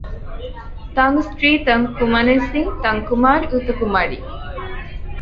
ত্বং স্ত্রী ত্বং পুমানসি ত্বং কুমার উত কুমারী।